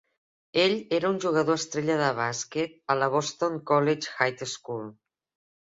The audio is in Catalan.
Ell era un jugador estrella de bàsquet a la Boston College High School.